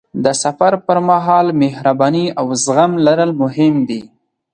د سفر پر مهال مهرباني او زغم لرل مهم دي.